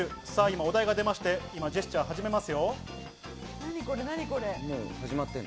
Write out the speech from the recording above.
お題が出まして、ジェスチャーを始めます。